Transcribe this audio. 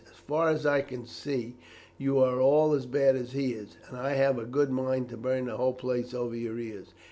As far as I can see you are all as bad as he is, and I have a good mind to burn the whole place over your ears.